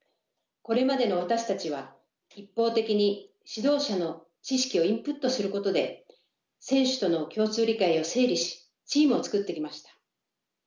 これまでの私たちは一方的に指導者の知識をインプットすることで選手との共通理解を整理しチームを作ってきました。